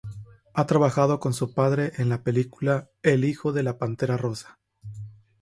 Ha trabajado con su padre en la película "El hijo de la pantera rosa".